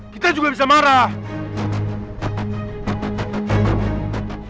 kita juga bisa marah